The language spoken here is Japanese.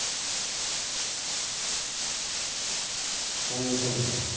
何も起こんないな。